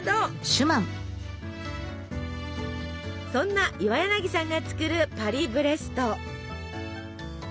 そんな岩柳さんが作るパリブレスト。